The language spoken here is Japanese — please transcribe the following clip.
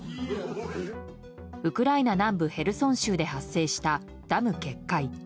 ウクライナ南部ヘルソン州で発生したダム決壊。